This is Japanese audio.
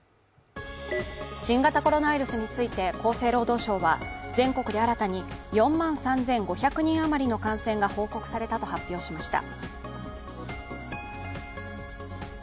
新型コロナウイルスについて、厚生労働省は全国で新たに４万３５００人あまりの感染が報告されたと発表しました。